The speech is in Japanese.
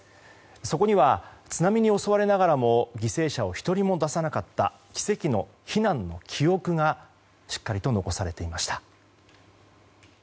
そこには津波に襲われながらも犠牲者を一人も出さなかった奇跡の避難の記憶がしっかりと残されていました。